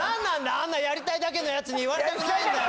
あんなやりたいだけの奴に言われたくないんだよ。